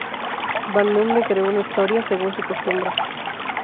Barnum le creó una historia, según su costumbre.